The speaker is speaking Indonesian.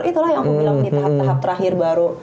itulah yang aku bilang di tahap tahap terakhir baru